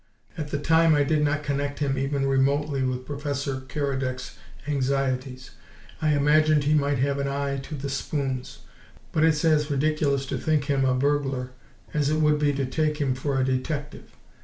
At the time, I did not connect him even remotely with Professor Keredec's anxieties. I imagined he might have an eye to the spoons; but it's as ridiculous to think him a burglar as it would be to take him for a detective.